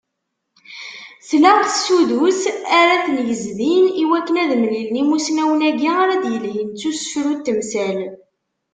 Tlaq tsudut ara ten-yezdin i wakken ad mlilen yimussnawen-agi ara d-yelhin s ferru n temsal.